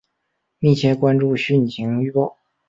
密切关注汛情预报